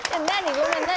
ごめん何？